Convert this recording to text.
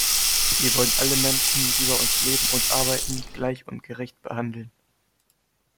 Wir wollen alle Menschen, die bei uns leben und arbeiten, gleich und gerecht behandeln.